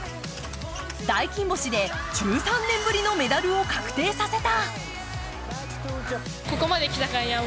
大金星で１３年ぶりのメダルを確定させた。